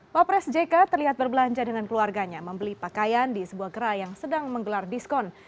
pak pres jk terlihat berbelanja dengan keluarganya membeli pakaian di sebuah gerai yang sedang menggelar diskon